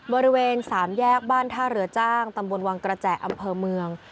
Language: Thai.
บริเวณสามแยกบ้านท่าเรือจ้างตำบลวังกระแจอำเภอเมือง